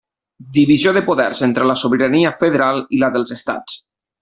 Divisió de poders entre la sobirania federal i la dels estats.